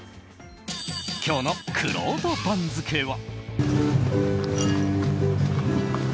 今日のくろうと番付は。